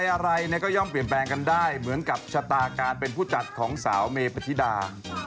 อะไรเนี่ยก็ย่อมเปลี่ยนแปลงกันได้เหมือนกับชะตาการเป็นผู้จัดของสาวเมปฏิดา